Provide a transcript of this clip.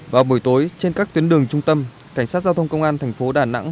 vào buổi tối trên các tuyến đường trung tâm cảnh sát giao thông công an tp đà nẵng